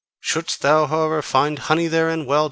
Shouldst thou however find honey therein, well!